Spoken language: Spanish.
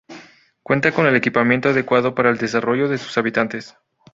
Cuenta con el equipamiento adecuado para el desarrollo de sus habitantes.